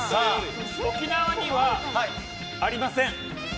沖縄にはありません！